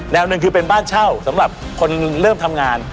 หนึ่งคือเป็นบ้านเช่าสำหรับคนเริ่มทำงาน